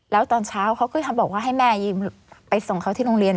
แล้วตอนเช้าเขาก็บอกว่าให้แม่ยืมไปส่งเขาที่โรงเรียน